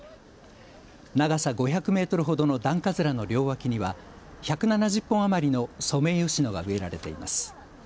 長さ５００メートルほどの段葛の両脇には１７０本余りのソメイヨシノが植えられています。